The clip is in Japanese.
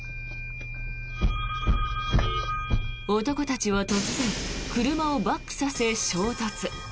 男たちは突然車をバックさせ、衝突。